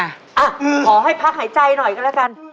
อ่ะขอให้พักหายใจหน่อยกันแล้วกัน